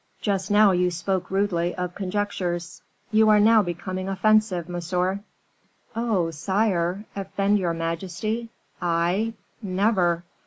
"Just now you spoke rudely of conjectures; you are now becoming offensive, monsieur." "Oh, sire! offend your majesty! I? never!